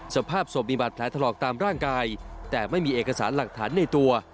สภาพศพมีบาดแผลถลอกตามร่างกายแต่ไม่มีเอกสารหลักฐานในตัว